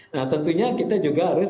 nah tentunya kita juga harus